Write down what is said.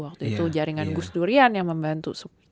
waktu itu jaringan gus durian yang membantu